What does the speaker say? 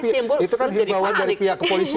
itu kan dibawa dari pihak kepolisian